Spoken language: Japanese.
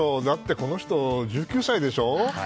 だってこの人、１９歳でしょ？